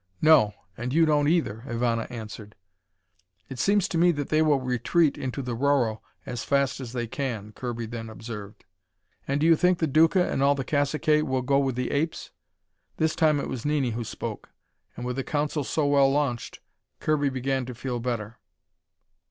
"No, and you don't either," Ivana answered. "It seems to me that they will retreat into the Rorroh as fast as they can," Kirby then observed. "And do you think the Duca and all the caciques will go with the apes?" This time it was Nini who spoke, and with the council so well launched, Kirby began to feel better.